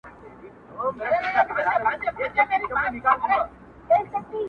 ژوند سرود -